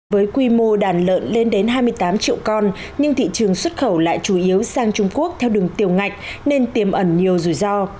với quy mô đàn lợn lên đến hai mươi tám triệu con nhưng thị trường xuất khẩu lại chủ yếu sang trung quốc theo đường tiểu ngạch nên tiềm ẩn nhiều rủi ro